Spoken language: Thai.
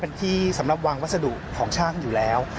เป็นที่สำหรับวางวัสดุของช่างอยู่แล้ว